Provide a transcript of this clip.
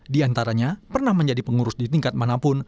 diantaranya pernah menjadi pengurus di tingkat manapun